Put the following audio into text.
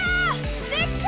できた！